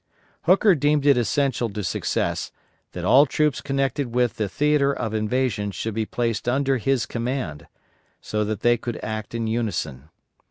Hooker deemed it essential to success, that all troops connected with the theatre of invasion should be placed under his command, so that they could act in unison.